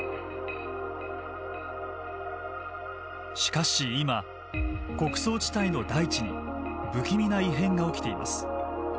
しかし今穀倉地帯の大地に不気味な異変が起きています。